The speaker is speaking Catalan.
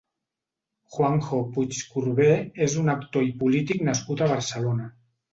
Juanjo Puigcorbé és un actor i polític nascut a Barcelona.